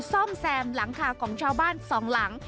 ซ่อมแซมหลังคาของชาวบ้านสองหลัง